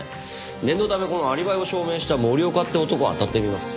念のためこのアリバイを証明した森岡って男をあたってみます。